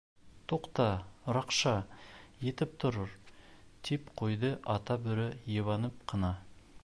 — Туҡта, Ракша, етеп торор, — тип ҡуйҙы Ата Бүре йыбанып ҡына.